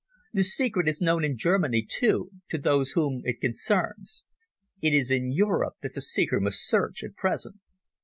The secret is known in Germany, too, to those whom it concerns. It is in Europe that the seeker must search—at present."